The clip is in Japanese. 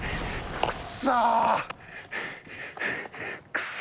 くそ。